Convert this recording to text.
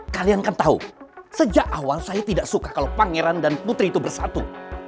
kalian kan tahu sejak awal saya tidak suka kalau pangeran dan putri itu bersatu